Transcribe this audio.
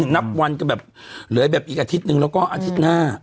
นับวันกันแบบเหลือแบบอีกอาทิตย์นึงแล้วก็อาทิตย์หน้า